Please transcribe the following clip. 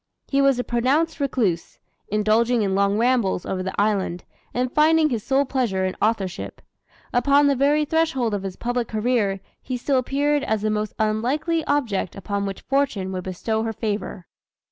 He was a pronounced recluse, indulging in long rambles over the island, and finding his sole pleasure in authorship. Upon the very threshold of his public career, he still appeared as the most unlikely object upon which Fortune would bestow her favor.